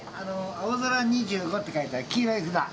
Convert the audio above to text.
青空２５って書いてある黄色い札